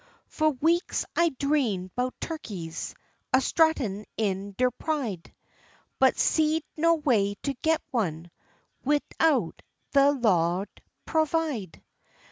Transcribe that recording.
Fu' weeks I dreamed 'bout turkeys, a struttin' in der pride; But seed no way to get one widout de Lawd pervide.